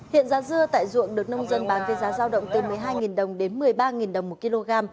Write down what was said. hiện giá dưa tại ruộng được nông dân bán với giá giao động từ một mươi hai đồng đến một mươi ba đồng một kg